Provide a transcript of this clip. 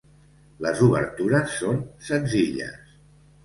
Les obertures són senzilles.